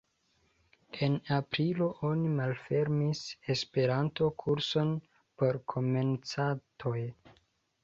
En aprilo oni malfermis Esperanto-kurson por komencantoj.